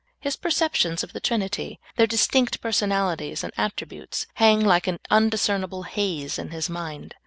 His perceptions of the Trinitj^ their distinct personal ities and attributes, hang like an undiscernible haze in his mind.